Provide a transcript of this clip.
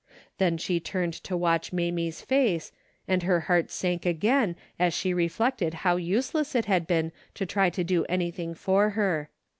Then she turned to watch Mamie's face, and her heart sank again as she reflected how useless it had been to try to do anything for her.